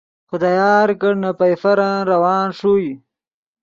خدا یار کڑ نے پئیفرن روان ݰوئے